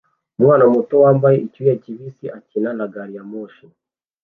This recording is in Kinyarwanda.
Umwana muto wambaye icyuya kibisi akina na gari ya moshi